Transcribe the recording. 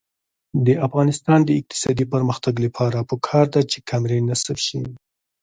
د افغانستان د اقتصادي پرمختګ لپاره پکار ده چې کامرې نصب شي.